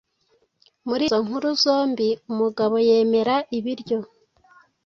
Muri izo nkuru zombi umugabo yemera ibiryo